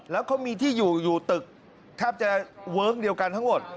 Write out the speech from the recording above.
แล้วเขามีที่อยู่อยู่ตึกแทบจะเวิร์คเดียวกันทั้งหมด